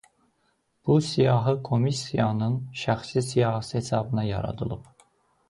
Bu siyahı komissiyanın şəxsi siyahısı hesabına yaradılıb.